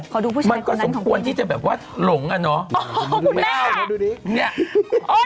ขอดูผู้ชายคนนั้นของพี่นิดหน่อยมันก็สมควรที่จะแบบว่าหลงอ่ะเนาะโอ้โฮคุณแม่โอ้โฮดูนี่